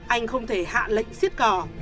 anh không thể hạ lệnh xiết cỏ